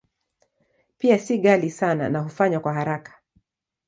Pia si ghali sana na hufanywa kwa haraka.